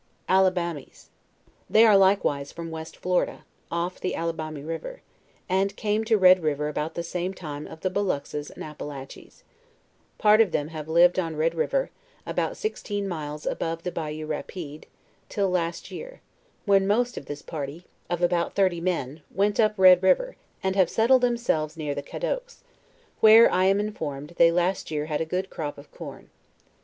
ALLIBAMIS. They are likewise from West Florida, off the Allibami river, and came to Red river about the same time of the Boluxas and Appalaches, Part of them have lived on Red river, about sixteen mi'lps above the Bayou Ra pide, till last year, when most of this party, of about thirty, men, went up Red river, and have settled themselves near the Caddoques; where,! am informed, they last year had a good crop of corn.